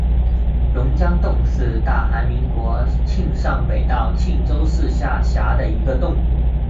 龙江洞是大韩民国庆尚北道庆州市下辖的一个洞。